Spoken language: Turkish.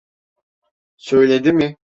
Söyledi mi?